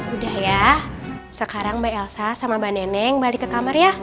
udah ya sekarang mbak elsa sama mbak neneng balik ke kamar ya